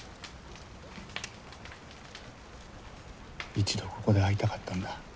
一度ここで会いたかったんだ。